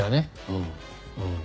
うんうん。